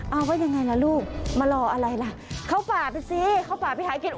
เอาว่ายังไงล่ะลูกมารออะไรล่ะเข้าป่าไปสิเข้าป่าไปหากิน